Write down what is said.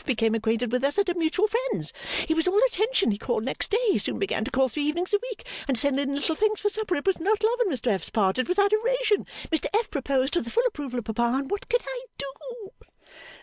became acquainted with us at a mutual friend's, he was all attention he called next day he soon began to call three evenings a week and to send in little things for supper it was not love on Mr F.'s part it was adoration, Mr F. proposed with the full approval of Papa and what could I do?